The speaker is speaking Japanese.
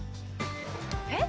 えっ？